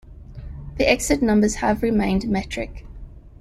The exit numbers have remained metric.